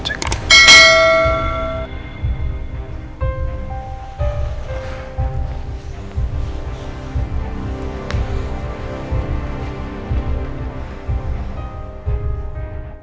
kalau kamu bisa lepasi very good